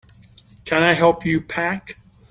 Can I help you pack?